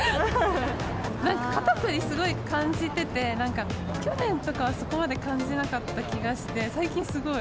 なんか肩凝りすごい感じてて、なんか、去年とかはそこまで感じなかった気がして、最近、すごい。